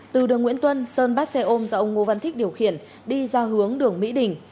từ đường nguyễn tuân sơn bắt xe ôm do ông ngô văn thích điều khiển đi ra hướng đường mỹ đình